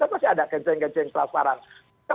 masih ada kenceng kenceng teras terang